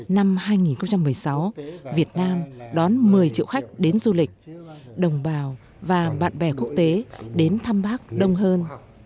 năm hai nghìn một mươi sáu việt nam đón một mươi triệu khách đến du lịch đồng bào và bạn bè quốc tế đến thăm bác đông hơn